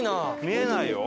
見えないよ。